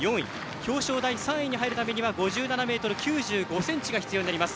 表彰台、３位に入るためには５７ｍ９５ｃｍが必要になります。